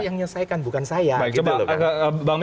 yang nyelesaikan bukan saya